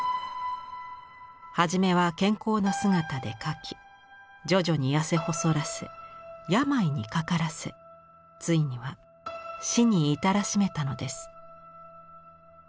初めは健康な姿で描き徐々に痩せ細らせ病にかからせついには死に至らしめたのです。